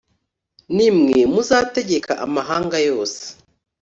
Nimwe muzategeka amahanga yose